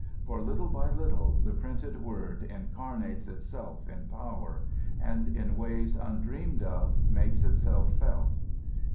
For little by little the printed word incarnates itself in power, and in ways undreamed of makes itself felt.